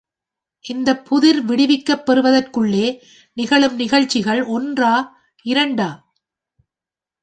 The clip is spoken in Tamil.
இந்தப்புதிர் விடுவிக்கப் பெறுவதற்குள்ளே நிகழும் நிகழ்ச்சிகள் ஒன்றா, இரண்டா?